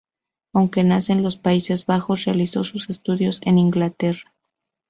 Aunque nace en los Países Bajos, realiza sus estudios en Inglaterra.